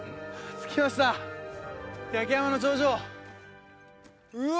着きました焼山の頂上うわ